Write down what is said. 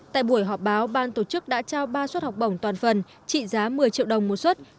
tại buổi họp báo ban tổ chức đã trao ba suất học bổng toàn phần trị giá một mươi triệu đồng một suất